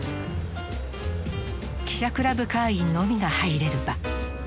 記者クラブ会員のみが入れる場。